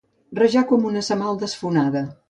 Rajar com una semal desfonada.